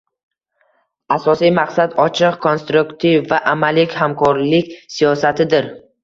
Asosiy maqsad – ochiq, konstruktiv va amaliy hamkorlik siyosatidir